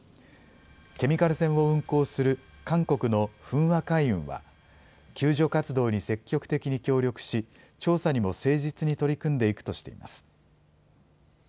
ケミカル船を運航する韓国のフンア海運は、救助活動に積極的に協力し、調査にも誠実に取り組んでいくとしています。